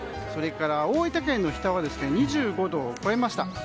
それから、大分県の日田は２５度を超えました。